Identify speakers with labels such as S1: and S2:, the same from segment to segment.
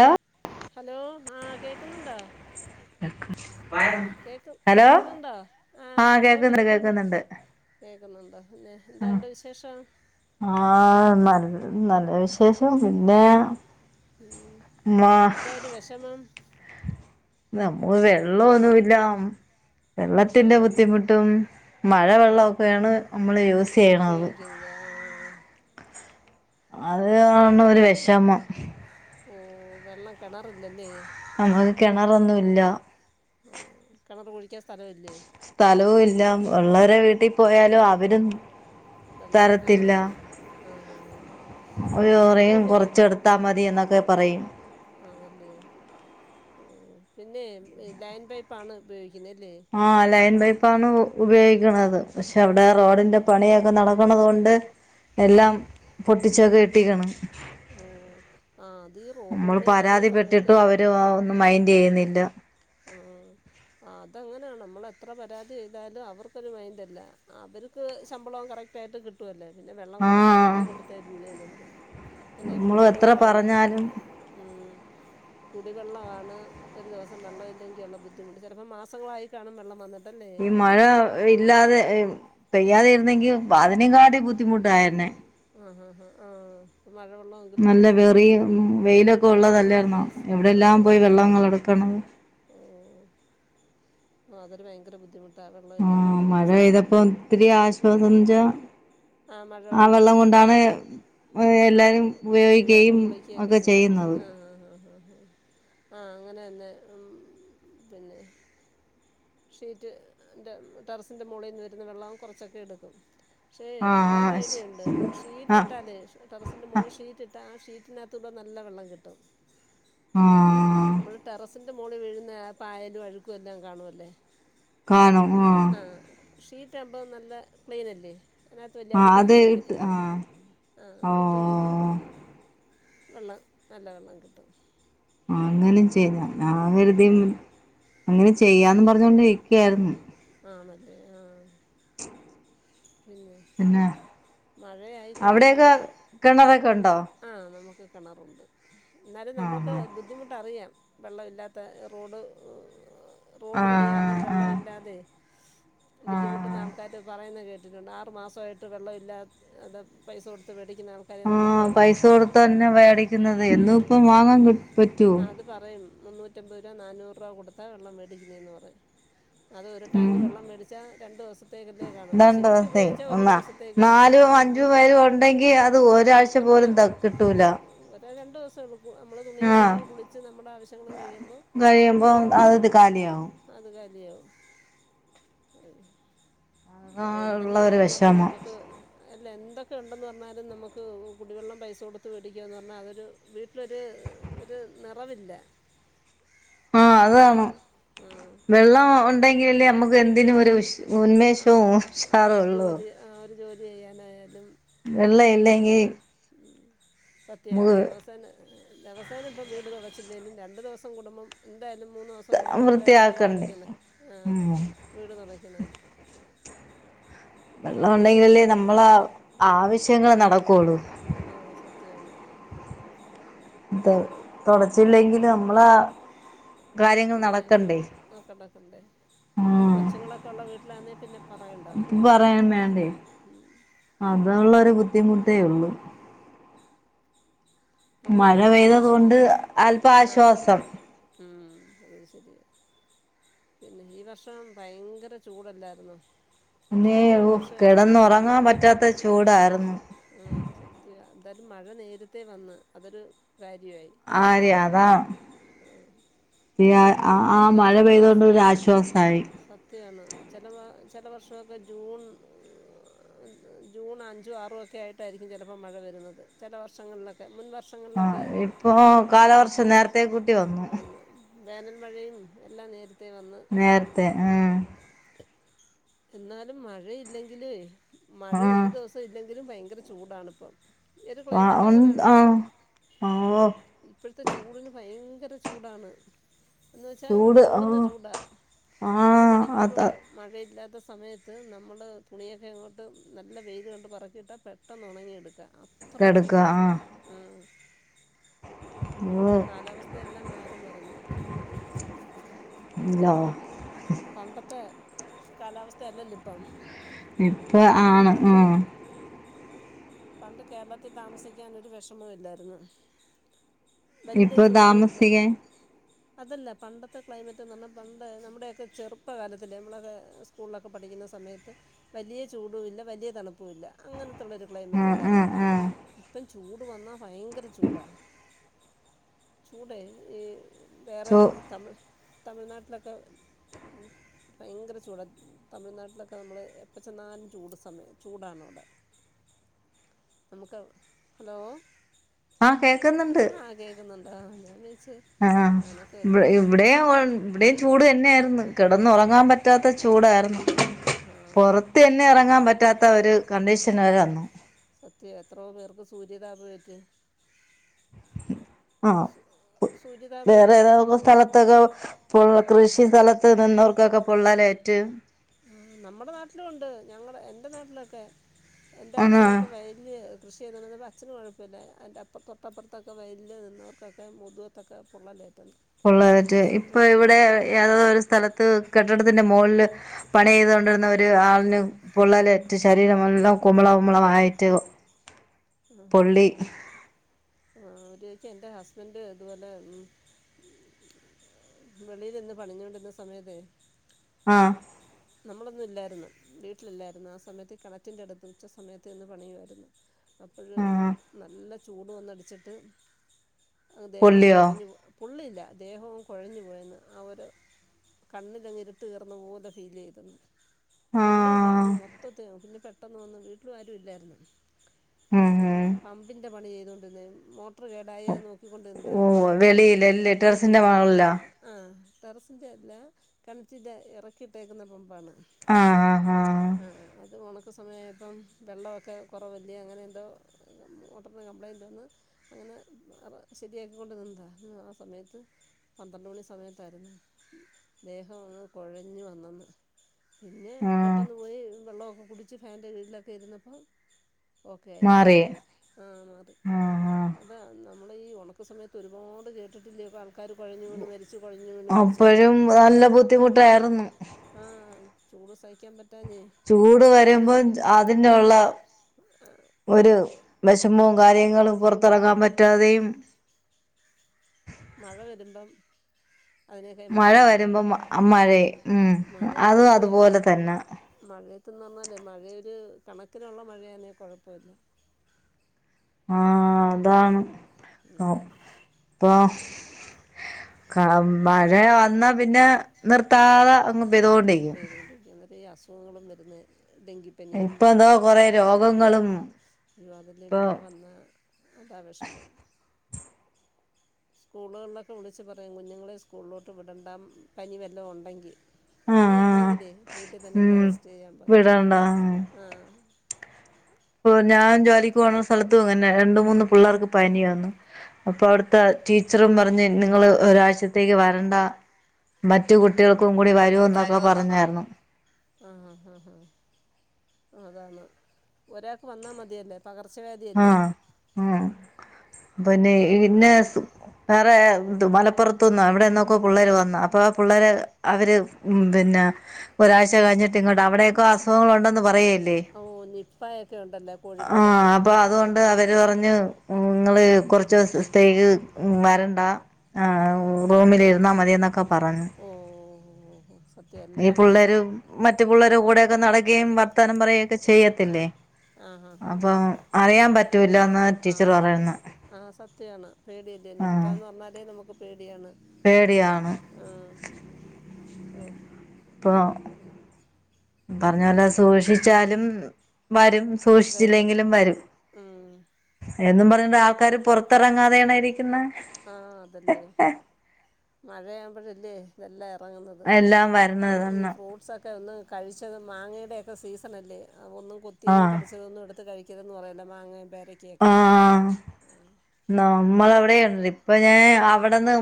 S1: Hello
S2: hello ആഹ് കേൾക്കുന്നുണ്ടോ
S1: പോയാട്ട് ന് [unintelligible]
S2: കേക്ക് കേക്കുന്നുണ്ടോ ആഹ് ഹലോ
S1: കേക്കുന്നുണ്ട്
S2: കേൾക്കുന്നു
S1: കേക്കുന്നുണ്ട്
S2: കേൾക്കുന്നുണ്ടോ പിന്നെ എന്തോയുണ്ട് വിശേഷം
S1: ആഹാ നല്ല നല്ല വിശേഷം പിന്നെ-
S2: ഉം
S1: മാ
S2: എന്താ ഒരു വിഷമം
S1: നമക്ക് വെള്ളവൊന്നുല്ല വെള്ളത്തിന്റെ
S2: ആണല്ലേ
S1: ബുദ്ധിമുട്ടും മഴ
S2: ഓ
S1: വെള്ളവൊക്കേണ് നമ്മള് യൂസ് ചെയ്യ്ണത്
S2: ആഹ്
S1: അത് ആണ് ഒരു വെഷമം
S2: ഓഹ് വെള്ളം കെണറില്ലല്ലേ
S1: നമക്ക് കെണറൊന്നുല്ല
S2: ആഹ് കെണറ് കുഴിക്കാൻ സ്ഥലം ഇല്ലേ
S1: സ്ഥലവും ഇല്ല ഉള്ളവരെ വീട്ടീ പോയാലും അവരും
S2: വെള്ളം
S1: തരത്തില്ല
S2: ആഹ് ആഹ് ആഹ് ആഹ് ആഹ്
S1: ഓല് പറയും കൊറച്ച് എടുത്താ മതി എന്നൊക്കെ പറയും
S2: ആണല്ലേ ഉം പിന്നെ ലൈൻ പൈപ്പാണ് ഉപയോഗിക്കുന്ന് അല്ലേ
S1: ആഹ് ലൈൻ പൈപ്പ് ആണ് ഉപയോഗിക്ക്ണത് പക്ഷെ അവിടെ റോഡിന്റെ പണിയൊക്കെ നടക്കണത് കൊണ്ട് എല്ലാം പൊട്ടിച്ചൊക്കെ ഇട്ടിക്ക്ണ്
S2: ഓഹ് ആ അത് ഈ റോഡ്
S1: നമ്മൾ
S2: പണി നടക്കുന്ന സമയത്ത്
S1: പരാതിപ്പെട്ടിട്ടും അവര് ഒന്നും മൈൻഡ് ചെയ്യുന്നില്ല
S2: ആഹ് ആ അതങ്ങനെയാണ് നമ്മൾ എത്ര പരാതി ചെയ്താലും അവർക്കൊരു മൈൻഡല്ല അവര് ക്ക് ശമ്പളവും കറക്റ്റയിട്ട് കിട്ടുവല്ലേ പിന്നെ വെള്ളം
S1: ആഹ്
S2: കൊടുത്താലന്ത് കൊടുത്തില്ലേലെന്ത് തന്നെ
S1: നമ്മൾ എത്ര
S2: കുടിവെള്ളവാണ്
S1: പറഞ്ഞാലും
S2: ഉം കുടിവെള്ളവാണ് ഒരു ദിവസ് വെള്ളം ഇല്ലെങ്കിയുള്ള ബുദ്ധിമുട്ട് ചെലപ്പം മാസങ്ങളായി കാണും വെള്ളം വന്ന
S1: ഈ മഴ ഇല്ലാതെ ഇ പെയ്യാതെ ഇരുന്നെങ്കി അതിനേകാട്ടി ബുദ്ധിമുട്ടായേനേ
S2: ആഹ് ആഹ് ആഹ് ആഹ് [unintelligible] മഴവെള്ളം
S1: നല്ല വെറിയും വെയിലൊക്കെ
S2: ആ
S1: ഉള്ളതല്ലാരുന്നോ
S2: വേസ്
S1: എവിടെയെല്ലാം പോയി വെള്ളങ്ങളെടുക്കണം
S2: ഓഹ് ആഹ് അതൊരു ഭയങ്കര ബുദ്ധിമു
S1: ആഹ് മഴെയ്തപ്പം ഇത്തിരി ആശ്വാസം എന്താച്ചാ ആ വെള്ളം കൊണ്ടാണ്
S2: ആ
S1: എല്ലാരും
S2: തുണി
S1: ഉപയോഗിക്കുകയും
S2: കഴുവാനും കുളിക്കയൊക്കെ
S1: ഒക്കെ
S2: ചെയ്യുന്നത് ആഹ് ആഹ് ആഹ് ആഹ് ഹാ ആഹ് അങ്ങനെന്നെ ഉം പിന്നെ ഷീറ്റ് ൻ്റെ ടെറസിൻ്റെ മോളീന്ന് വരുന്ന വെള്ളവും കൊറച്ചൊക്കെ എടുക്കും പക്ഷേ
S1: ആഹ്
S2: വേറെരു
S1: ആഹ്
S2: ഐഡിയ ഇണ്ട് ഷീറ്റ്
S1: ആഹ്
S2: ഇട്ടാലേ ടറസിന്റെ മോളിൽ ഷീറ്റ് ഇട്ടാ ആ ഷീറ്റിനകത്തൂടെ നല്ല വെള്ളം കിട്ടും
S1: ആഹ്
S2: നമ്മള് ടെറസിന്റെ മോളി വീഴുന്ന പായലും അഴുക്കും എല്ലാം കാണുവല്ലേ
S1: കണം ആഹ്
S2: ആഹ് ഷീറ്റ് ആവുമ്പം നല്ല ക്ലീനല്ലേ അതിനകത്ത് വലിയ
S1: ആഹ്
S2: അഴുക്ക്
S1: അത്
S2: തങ്ങി
S1: ഇട്ട്
S2: നിക്കത്തില്ലേ
S1: ആഹ്
S2: ആ അത് ഇട്ട് കഴിഞ്ഞാ
S1: ഓഹ്
S2: വെള്ളം നല്ല വെള്ളം കിട്ടും
S1: അങ്ങനിം ചെയ്യാം ഞാൻ കരുതി അങ്ങനെ ചെയ്യാന്നും പറഞ്ഞോണ്ട് ഇരിക്യാരുന്നു
S2: ആഹ് മതി ആഹ് പിന്നെ
S1: പിന്നെ
S2: മഴയായി
S1: അവിടെയൊക്കെ കെണറൊക്കെ ഉണ്ടോ
S2: ആഹ് നമുക്ക് കെണറുണ്ട് ഇന്നാലും നമുക്ക്
S1: ആഹ്
S2: ബുദ്ധിമുട്ടറിയാം വെള്ളവില്ലാത്ത റോഡ് റോഡ് പണി കാരണം
S1: ആഹ് ആഹ് ആഹ്
S2: വെള്ളവില്ലാതെ ബുദ്ധിമുട്ടുന്ന
S1: ആഹ്
S2: ആൾക്കാര് പറയുന്നത് കേട്ടിട്ടുണ്ട് ആറ് മാസവായിട്ട് വെള്ളവില്ലാ അത് പൈസ കൊടുത്ത് വേടിക്കുന്ന ആൾ
S1: ആഹ് പൈസ കൊടുത്തന്നെ വേടിക്കുന്നതേ
S2: ആ
S1: എന്നും ഇപ്പ വാങ്ങാൻ കി പറ്റ്വോ.
S2: ആ അത് പറയും മുന്നൂറ്റമ്പത് രൂപ നാനൂറ് രൂപ കൊടുത്താ വെള്ളം മേടിക്കുന്നേന്ന് പറയും. അത് ഒരു ടാങ്ക്
S1: ഉം
S2: വെള്ളം മേടിച്ചാ രണ്ടു ദിവസത്തേക്കല്ലേ കാണൂ.
S1: രണ്ട് ദിവസേ
S2: ശരിക്കുപയോഗിച്ചാ ഒരു
S1: ഒന്നാ
S2: ദിവസം
S1: നാലും അഞ്ചു പേരും ഉണ്ടെങ്കി അത് ഒരാഴ്ച പോലും ത കിട്ടൂല.
S2: രണ്ടൂസ [unintelligible] മു നമ്മളെ തുണിയും
S1: ആഹ്
S2: കഴുകി കുളിച്ച് നമ്മുടെ ആവശ്യങ്ങളും കഴിയുമ്പം
S1: കഴിയുമ്പോ
S2: അത്
S1: കാലിയാവും
S2: അത് കാലിയാവും അഹ്.
S1: അതാ ഉള്ള
S2: എന്തെല്ലാം
S1: ഒരു
S2: ഉണ്ടെന്ന് പറഞ്ഞാലും
S1: വിഷമം
S2: നമുക്ക് അല്ലെ എന്തൊക്കെ ഉണ്ടെന്ന് പറഞ്ഞാലും നമുക്ക് കുടിവെള്ളം പൈസ കൊടുത്ത് വേടിക്ക്യാന്ന് പറഞ്ഞാ അതൊരു വീട്ടിലൊരു ഒര് നെറവില്ല. [inaudible]
S1: ആഹ് അതാണ്. വെള്ളം ഉണ്ടെങ്കിലല്ലേ തെന്തിനും ഒരു ഉശ്
S2: ആ ആ,
S1: ഉന്മേഷവും
S2: ആ
S1: ഉഷാറു
S2: ഒരു
S1: ഒള്ളൂ.
S2: ജോലി ആ ഒരു ജോലി ചെയ്യാനായാലും
S1: വെള്ള ഇല്ലങ്കി
S2: ഉം സത്യവാ ദവസ് സെന്നെ ദെവസേനെ ഇപ്പം വീട് തുടച്ചില്ലേല്ലും രണ്ട് ദിവസം കൂടുമ്പം എന്തായാലും മൂന്നൂ സം കൂടുമ്പം എന്തായാലും വീട്
S1: വൃത്തിയാക്കണ്ടേ
S2: തുടക്ക്യ്ന്നെ ആഹ്
S1: ഉം
S2: വീട് തുടക്ക്യ്ണേ. വീട്ടു
S1: വെള്ളം
S2: ജോലിയെന്നെ
S1: ഉണ്ടെങ്കിലല്ലേ നമ്മളെ
S2: ആഹ്
S1: ആവശ്യങ്ങൾ നടക്കുള്ളൂ
S2: ആഹ് സത്യവാണ്.
S1: അതെ. തൊടച്ചില്ലെങ്കില് നമ്മളാ കാര്യങ്ങൾ
S2: പിന്നേ.
S1: നടക്കണ്ടേ
S2: ആക്കെണ്ടാ ആക്കെണ്ടേ.
S1: ആഹ്
S2: കൊച്ചുങ്ങളൊക്കെ ഉള്ള വീട്ടിലാന്നേ പിന്നെ പറയണ്ട.
S1: അപ്പ പറയേം വേണ്ടേ. അതാ ഉള്ളൊരു ബുദ്ധിമുട്ടേ ഉള്ളു. മഴ
S2: അപ്പംപിന്നെ ഈ
S1: പെയ്തത്
S2: വർഷം
S1: കൊണ്ട് അല്പ
S2: ആഹ്
S1: ആശ്വാസം
S2: ഉം അത് ശരിയാ. പിന്നെ ഈ വർഷം ഭയങ്കര ചൂടല്ലാര്ന്നോ?
S1: പിന്നേ ഒഹ് കിടന്നുറങ്ങാൻ
S2: ചൂ
S1: പറ്റാത്ത ചൂടാർന്നു.
S2: ആഹ് സത്യവാ. എന്തായാലും മഴ നേരത്തെ വന്ന് അതൊരു കാര്യവായി.
S1: ആര്യ അതാ പിന്നാ അ ആ മഴ പെയ്തോണ്ട് ഒരാശ്വാസായി.
S2: സത്യാണ്. ചെല വാ ചെല വർഷൊ ഒക്കെ ജൂൺ, ജൂൺ അഞ്ചു ആറും ഒക്കെ ആയിട്ടായിരിക്കും ചെലപ്പം മഴ വരുന്നത്. ചെല വർഷങ്ങളിലൊക്കെ മുൻ വർഷ
S1: ആഹ് ഇപ്പോ കാലവർഷം നേരത്തെ കൂട്ടി വന്നു.
S2: വന്ന് വേനൽ മഴയും എല്ലാം നേരത്തെ വന്ന്‌.
S1: നേരത്തെ ആഹ്.
S2: എന്നാലും മഴയില്ലെങ്കിലുവേ മഴ ഒരു
S1: ആ
S2: ദിവസം ഇല്ലെങ്കിലും ഭയങ്കര ചൂടാണ് പ്പം. ഈയൊര് ക്ലൈമറ്റ് അങ്ങനാണ് ഇപ്പം.
S1: ആ ഓ
S2: ഇപ്പൾത്തെ ചൂടിന് ഭയങ്കര ചൂടാണ്. എന്ന് വെച്ചാ അങ്ങ്
S1: ചൂട് ആ
S2: പൊള്ളുന്ന ചൂടാ. ഒരു
S1: ആഹ്
S2: മണിക്കൂറും
S1: അത്
S2: മഴയില്ലാ ത്തെ സമയത്ത് നമ്മള് തുണിയൊക്കെ അങ്ങോട്ട് നല്ല വെയ്ല് കണ്ട് പറക്കിയിട്ടാ പെട്ടെന്ന് ഉണങ്ങിയെടുക്കാ. അത്ര
S1: കെടക്ക
S2: ചൂടാണ്,
S1: ആഹ്
S2: ഉം.
S1: ഓ
S2: [unintelligible] കാലാവസ്ഥയെല്ലാം മാറി മറിഞ്ഞു,
S1: ഉം ലോ
S2: പണ്ടത്തെ കാലാവസ്ഥയല്ലല്ലൊ ഇപ്പം.
S1: ഇപ്പൊ ആണ്
S2: പണ്ട്
S1: ആഹ്.
S2: പണ്ട് കേരളത്തി താമസിക്കാൻ ഒരു വെഷമവുമില്ലായ്രുന്ന്. വല്യ
S1: ഇപ്പൊ
S2: ചൂടു ഇല്ല.
S1: താമസിക്കാൻ
S2: അതല്ല പണ്ടത്തെ ക്ലൈമറ്റ്ന്ന് പറഞ്ഞാ പണ്ട് നമ്മുടെയൊക്കെ ചെറുപ്പകാലത്തില് നമ്മളൊക്കെ സ് സ്കൂളിലൊക്കെ പഠിക്കുന്ന സമയത്ത് വലിയ ചൂടു ഇല്ല വലിയ തണുപ്പു ഇല്ല അങ്ങനത്തുള്ളൊരു ക്ലൈ
S1: ആഹ് ആഹ്
S2: മറ്റല്ലായിരുന്നൊ
S1: ആഹ്
S2: ഇപ്പം ചൂട് വന്നാ ഭയങ്കര ചൂടാ ചൂടെ ഏ വേറെ
S1: ചോ
S2: തമിഴ് തമിഴ്നാട്ടിലൊക്കെ ഭയങ്കര ചൂടാണ് തമിഴ്നാട്ടിലൊക്കെ നമ്മൾ എപ്പ ചെന്നാലും ചൂട് സമയ ചൂടാണവിടെ നമ്മക്ക് ഹലോ
S1: ആഹ് കേൾക്കുന്നുണ്ട്
S2: ന്നുണ്ടോ ഞാൻ വെച്ചെ
S1: ആഹ് ഇവിടെയും ഇവിടെയും ചൂട് തന്നെയായിരുന്നു കിടന്ന്‌ ഉറങ്ങാൻ പറ്റാത്ത ചൂടായിരുന്നു
S2: ആ
S1: പുറത്ത് തന്നെ ഇറങ്ങാൻ പറ്റാത്ത ഒരു കണ്ടീഷൻവരെവന്നു
S2: സത്യം എത്രോ പേർക്ക് സൂര്യതാപം ഏറ്റ്
S1: ആഹ്
S2: സൂര്യതാപമേ
S1: വേറെ ഏതോക്ക സ്ഥല ത്തൊക്ക കൃഷി സ്ഥലത്ത് നിന്നവർക്കൊക്കെ പൊള്ളാലേറ്റ്
S2: നമ്മുടെ നാട്ടിലു ഉണ്ട് ഞങ്ങളെ എൻ്റെ നാട്ടിലൊക്കെ എൻ്റെ അച്ഛനൊക്കെ
S1: ആഹ്
S2: വയലില് കൃഷി ചെയ്തുകൊണ്ടിരിന്നപ്പെ അച്ഛന് കുഴപ്പല്ല അതിൻ്റെപ്പറത്ത് തൊട്ടപ്പുറത്തൊക്കെ വയ്ല് നിന്നവർക്കൊക്കെ മുതു- ത്തൊക്കെ പൊള്ളലേറ്റന്ന്
S1: പൊള്ളലേറ്റ് ഇപ്പൊ ഇവിടെ ഏത ഒരു സ്ഥലത്ത് കെട്ടിടത്തിന്റെ മുകളില് പണി ചെയ്തൊണ്ടിരുന്ന ഒരു ആളിന് പൊള്ളലേറ്റ് ശരീരം എല്ലാം കുമ്മള കുമ്മളയിട്ട്
S2: ഹും ഹും ഹും ആഹ് ഒരെയ്ക്കം എന്റെ ഹസ്ബൻറ് ഇതുപോലെ വെളിയില്ന്ന് പണിഞ്ഞോണ്ടിരുന്ന സമയത്തേ
S1: ആഹ്
S2: ആഹ് നമ്മളൊന്നും ഇല്ലായിരുന്നു വീട്ടിലില്ലായിരുന്നു ആ സമയത്ത് കിണറ്റിൻ്റെ അടുത്ത് ഉച്ച സമയത്ത്ന്ന് പണിയുമായിരുന്നു, അപ്പഴ്
S1: ആഹ്
S2: നല്ല ചൂട് വന്നടിച്ചിട്ട് ദേഹം
S1: പൊള്ളിയോ
S2: കുഴഞ്ഞു പുള്ളില്ല ദേഹവും കുഴഞ്ഞു പോയെന്ന് ആ ഒരു കണ്ണിലങ്ങി ഇരിട്ട് കയറന്ന പോലെ ഫീൽ ചെയ്തിന്ന് പൊള്ളില്ല
S1: ആഹ്
S2: അങ്ങ് മൊത്തത്തി പിന്നെ പെട്ടെന്ന് വന്ന് വീട്ടിലും ആരും ഇല്ലായിരുന്നു
S1: ഉം ഉം
S2: പമ്പിന്റെ പണി ചെയ്തൊണ്ടിന്നായ്നു മോ ടെർ കെടായ് അത് നോക്കിക്കൊണ്ട നിന്നതാ
S1: ഓഹ് വെളിയിലല്ലേ ടെറസിന്റെ
S2: വെളിയില് വെളിയില്
S1: മോളിലോ
S2: ആഹ് ആഹ് ടെറസിൻ്റെല്ല കെണറ്റിന്റെ എറക്കിയിട്ടേക്കുന്ന പമ്പാണ്
S1: ആഹ് ഹ ഹഹാ
S2: ആഹ് ആഹ് അത് ഉണക്ക സമയപ്പം വെള്ളമൊക്കെ കുറവല്ല അങ്ങനെ ന്തോ മോട്ടറിന്ന് കംപ്ലൈയിൻറ് വന്ന് അങ്ങനെ ഹ് ശരിയാക്കിക്കൊണ്ട് നിന്നതാ ആ സമയത്ത് പന്ത്രണ്ട് മണി സമയത്തായിരെന്ന് ദേഹം അങ്ങ് കൊഴഞ്ഞു വന്നന്ന് പിന്നെ
S1: ആഹ്
S2: പെട്ടെന്ന് പോയി വെള്ളമൊക്കെ കുടിച്ച് ഫാൻ്റെ കിഴിലൊക്കെ ഇരുന്നപ്പം ഓക്കെ ആയിന്ന്
S1: മാറി
S2: ആഹ് മാറി
S1: ആഹ് ആഹ്
S2: അതാ നമ്മള്ളെ ഈ ഉണക്ക സമയത്ത് ഒരുപാട് കേട്ടിട്ടില്ലയൊ പ ആൾക്കാര് കോയഞ്ഞ് വീണ് മരിച്ചു കൊഴഞ് വീണ് മരിച്ചെന്ന്
S1: അപ്പഴും നല്ല ബുദ്ധിമുട്ടായിരുന്നു
S2: ആഹ് ചൂട് സഹിക്കാൻ പറ്റാഞ്ഞേ
S1: ചൂട് വരുമ്പോം ച്ച അതിനുള്ള ഒരു വെഷമോം കാര്യങ്ങളും പൊറത്തറങ്ങാൻ പറ്റാതെയും
S2: മഴ വരുമ്പം അതിനേക്കാൾ ബുദ്ധിമുട്ട് മഴ
S1: വരുമ്പം മഴയെ ഉം അതും
S2: മഴത്ത് പ്പയെ
S1: അതുപോലെ തന്നെ
S2: മഴയത്ത്ന്ന് പറഞ്ഞാല്ലേ മഴയൊരു കണക്കിനുള്ള മഴയാന്നെ കൊഴപ്പവില്ല
S1: ആഹ് അതാണ് ന്നോ ഇപ്പാ ക മഴ വന്നാ പിന്നെ നിർത്താതെ അങ്ങ് പെയ്തോണ്ടിരിക്കും
S2: പെയ്തോണ്ടിരിക്കും അന്നേരാ ഈ അസുഖങ്ങളും വരുന്നെ ഡെങ്കി പനിയും
S1: ഇപ്പൊ എന്തോ
S2: എന്താ
S1: കൊറേ
S2: അങ്ങനെ
S1: രോഗങ്ങളും
S2: അയ്യോ അതല്ലേ ഈ
S1: ഇപ്പൊ
S2: മഴ വന്നാ അതാ വെഷമം സ്കൂളുകളിലൊക്കെ വിളിച്ച് പറയും കുഞ്ഞുങ്ങളെ സ്കൂളിലോട്ട് വിടണ്ട പനി വെല്ലോം ഉണ്ടെങ്കി
S1: ആഹ് ആഹ്
S2: പനിയാണെങ്കിലേ വീട്ടിതന്നെ നിന്ന്
S1: ഉം
S2: റെസ്റ്റ് ചെയ്യാൻ പറയും
S1: വിടണ്ട
S2: ആഹ്
S1: പ്പയോ ഞാൻ ജോലിക്ക് പോണ സ്ഥലത്തും ഇങ്ങനെ രണ്ട് മൂന്ന് പിള്ളാർക്ക് പനിയാന്ന് അപ്പൊ അവിടെത്തെ റ്റിച്ചറും പറഞ്ഞ് നിങ്ങള് ഒരാഴ്ചത്തേക്ക് വരണ്ട മറ്റ് കുട്ടികൾക്കും കൂടി വ
S2: വരു എന്നാ പർഞ്ഞത് ആഹ് ആഹ് ആഹ് അതാണ് ഒരാക്ക് വന്നാൽ മതിയല്ലോ പകർച്ചവ്യാധി
S1: ആഹ് ഉം അപ്പൊ പിന്നെ
S2: വേറെ
S1: ഇന്നെ അസു വേറെ ന്തു മലപ്പുറത്ത്ന്നോ എവിടെ നിന്നൊക്കോ പുള്ളേര് വന്ന് അപ്പൊ ആ പുള്ളേര് അവര് ഉം പിന്നെ ഒരാഴ്ച കഴിഞ്ഞിട്ട് ഇങ്ങോട്ട് അവിടെയൊക്കോ അസ് സുഖം ഉണ്ടെന്ന് പറയഅല്ലേ
S2: ഓ നിപ്പയൊക്കെ ഉണ്ടല്ലേ
S1: ആഹ്
S2: കോഴിക്കോട്ടൊക്കെ
S1: അപ്പൊ
S2: ആ
S1: അതുകൊണ്ട് ട്ട് അവര് പറഞ്ഞ് ഉം നിങ്ങള് കൊറച്ച് ദിവസ് സ്ത്തേക്ക് വരണ്ട ആഹ് ഉ റൂമില് ഇരുന്നാ മതി എന്നൊക്കെ പറഞ്ഞ്
S2: ഓഹ് ഓഹ് ഓഹ് സ
S1: ഈ പുള്ളേര് മറ്റു പുള്ളേരെ കൂടെയൊക്കെ നടക്ക്യേം വർത്താനം പറയുഒക്കെ ചെയ്യത്തില്ലേ
S2: ആ ഹാ ഹാ
S1: അപ്പൊ
S2: ഹാ
S1: അറിയാൻ പറ്റൂല്ലാന്ന് റ്റിച്ചർ പറയുന്ന്
S2: ആഹ് സത്യാണ് പേടിയല്ലേ നിപ്പാന്ന് പറഞ്ഞാലേ നമുക്ക് പേടിയാണ്
S1: പേടിയാണ്
S2: ആഹ് ഉം
S1: ഇപ്പൊ പറഞ്ഞോലെ സൂക്ഷിച്ചാലും വരും
S2: വരും
S1: സൂഷിച്ചില്ലെങ്കിലും വരും
S2: ഉം.
S1: എന്നും പറഞ്ഞോണ്ട് ആൾക്കാര് പൊറത്തെറങ്ങാതെയാണോ ഇരിക്കുന്ന്
S2: ആഹ് അതല്ലേ മഴയാവുമ്പോഴല്ലേ ഇതെല്ലാം എറങ്ങ്ന്നത്
S1: എല്ലാം വരുന്നത്
S2: അതെ ഈ
S1: തന്നെ
S2: ഫ്രൂട്ട് സൊക്കെ ഒന്ന് കഴിച്ചതും മാങ്ങയുടെയൊക്കെ സീസണല്ലേ അഹ് ഒന്നും കൊത്തിയതും
S1: ആഹ്
S2: കടിച്ചതൊന്നും എടുത്ത് കഴി ക്കരുത് എന്ന് പറയൊല്ലോ മാങ്ങയും പേരക്കയൊക്കെ ആഹ്
S1: നമ്മള് അവിടെയ്ണ്ട് ഇപ്പൊ ഞാൻ അവിടെന്ന്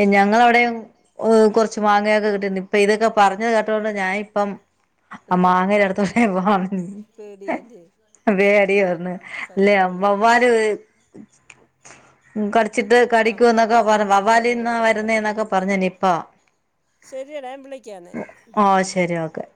S1: എഹ് ഞങ്ങളെ അവിടെയും ഓഹ് കൊറച്ച് മാങ്ങയൊക്കെ കിട്ടിയിട്ട്ണ്ട് ഇപ്പ ഇതൊക്കെ പറഞ്ഞത് കേട്ടത്കൊണ്ട് ഞാന് ഇപ്പം ആ
S2: എടുക്കത്തില്ല
S1: മാങ്ങയുടെ അടുത്തോട്ടേ
S2: പേടിയല്ലേ
S1: [unintelligible] വേം അടീ
S2: ആ
S1: വന്ന് ത്തെ
S2: സത്യമാണ്
S1: അമ്മമാര് ഉം കടിച്ചിട്ട്
S2: ആ
S1: കടിക്കൂ എന്നൊക്കെ
S2: വവ്വാൽ
S1: പറഞ്ഞ് വവ്വാലിന്നാ
S2: കടിച്ചിട്ടേക്കുന്നറിയാൻ
S1: വരുന്നേന്നൊക്കെ
S2: പറ്റത്തില്ലല്ലോ
S1: പറഞ്ഞു നിപ്പ
S2: ശരിയെടാ ഞാൻ വിളിക്കാംന്നെ
S1: ഓ ശരി ഓക്കെ